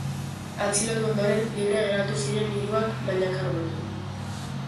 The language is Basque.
Atxilotu ondoren, libre geratu ziren hiruak, baina karguekin.